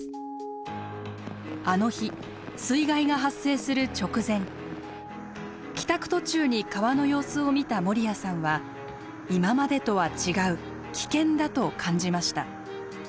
あの日水害が発生する直前帰宅途中に川の様子を見た守屋さんは「今までとは違う危険だ」と感じました。